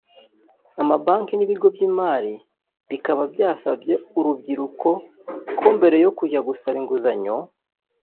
amabanki n’ibigo by’imari bikaba byasabye urubyiruko ko mbere yo kujya gusaba inguzanyo